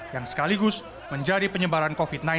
yang sekaligus menjadi penyebaran kompetensi